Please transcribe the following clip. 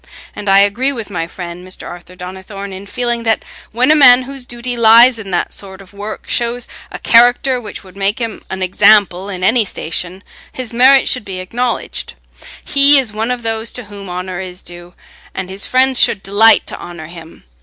And I agree with my friend Mr. Arthur Donnithorne in feeling that when a man whose duty lies in that sort of work shows a character which would make him an example in any station, his merit should be acknowledged. He is one of those to whom honour is due, and his friends should delight to honour him.